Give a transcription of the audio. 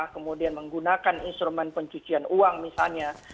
kemudian menggunakan instrumen pencucian uang misalnya